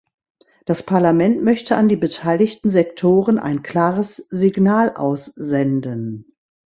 Das Parlament möchte an die beteiligten Sektoren ein klares Signal aussenden.